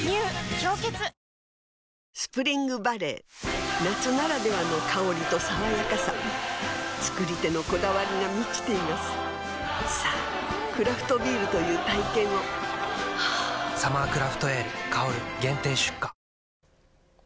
「氷結」スプリングバレー夏ならではの香りと爽やかさ造り手のこだわりが満ちていますさぁクラフトビールという体験を「サマークラフトエール香」限定出荷